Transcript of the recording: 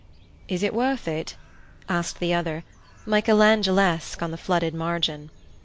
"Is it worth it?" asked the other, Michelangelesque on the flooded margin.